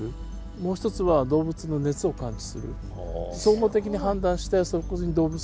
もう一つは動物の熱を感知する。